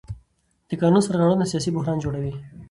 د قانون سرغړونه سیاسي بحران جوړوي